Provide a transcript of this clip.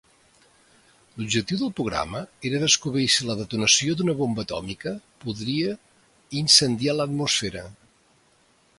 L'objectiu del programa era descobrir si la detonació d'una bomba atòmica podria incendiar l'atmosfera.